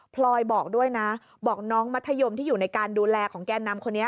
พลอยบอกด้วยนะบอกน้องมัธยมที่อยู่ในการดูแลของแกนนำคนนี้